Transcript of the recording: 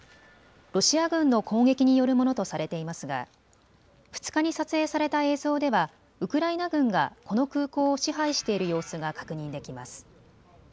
ロシア軍の攻撃によるものとされていますが２日に撮影された映像ではウクライナ軍が、この空港を支配している様子が確認できます。